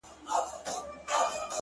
• پر ښايستوكو سترگو؛